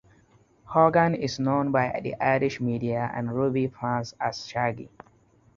Horgan is known by the Irish media and rugby fans as "Shaggy".